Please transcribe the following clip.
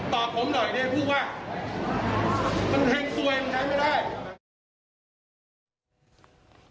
มันแห่งสวยมันใช้ไม่ได้